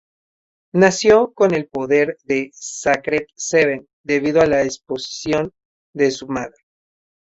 Nació con el poder del "Sacred Seven" debido a la exposición de su madre.